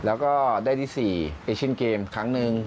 แล้วก็ได้ที่๔เอเชียนเกมครั้งหนึ่ง